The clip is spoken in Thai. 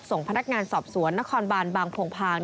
ส่งพนักงานสอบสวนนครบานบางโพงพาง